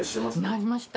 なりました。